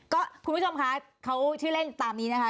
คุณผู้ชมคะเขาชื่อเล่นตามนี้นะคะ